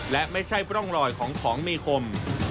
และไม่ใช่ร่องรอยของของมีคม